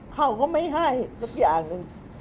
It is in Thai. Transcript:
เขาก็ไม่ให้สักอย่างหนึ่ง